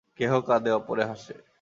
কেহ কাঁদে, অপরে হাসে।